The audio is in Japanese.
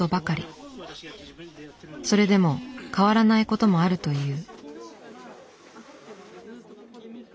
それでも変わらないこともあるという。